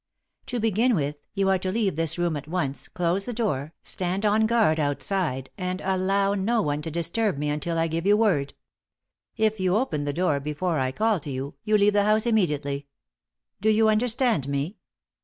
To begin with, you are to leave this room at once, close the door, stand on guard outside and allow no one to disturb me until I give you word. If you open the door before I call to you, you leave the house immediately. Do you understand me?"